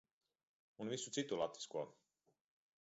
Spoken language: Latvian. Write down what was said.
Un visu citu latvisko.